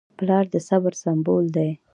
پلار د صبر سمبول دی.